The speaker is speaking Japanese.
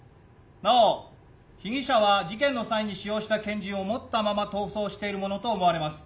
なお被疑者は事件の際に使用した拳銃を持ったまま逃走しているものと思われます。